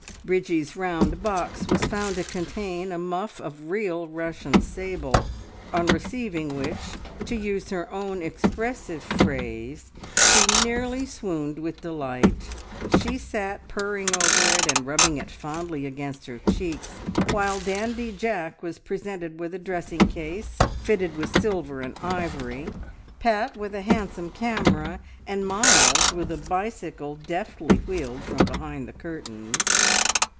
Bridgie's round box was found to contain a muff of real Russian sable, on receiving which, to use her own expressive phrase, she "nearly swooned with delight." She sat purring over it, and rubbing it fondly against her cheeks, while dandy Jack was presented with a dressing case, fitted with silver and ivory, Pat with a handsome camera, and Miles with a bicycle deftly wheeled from behind the curtains.